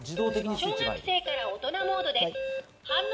小学生から大人モードです。